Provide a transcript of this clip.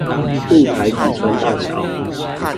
霧台谷川大橋